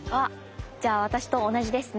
じゃあ私と同じですね。